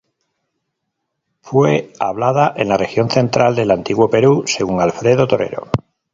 Fue hablada en la región central del antiguo Perú según Alfredo Torero.